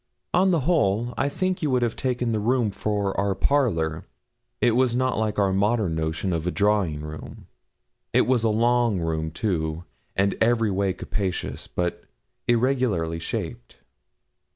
On the whole, I think you would have taken the room for our parlour. It was not like our modern notion of a drawing room. It was a long room too, and every way capacious, but irregularly shaped.